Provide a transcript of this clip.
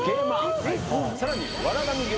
さらに。